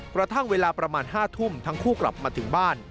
กระทั่งเวลาประมาณ๕ทุ่มทั้งคู่กลับมาถึงบ้าน